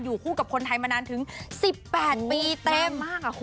อยู่คู่กับคนไทยมานานถึง๑๘ปีเต็ม